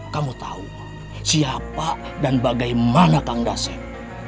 kamu tahu siapa dan bagaimana kang dasir